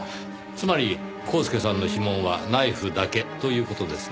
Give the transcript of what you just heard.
つまりコースケさんの指紋はナイフだけという事ですね。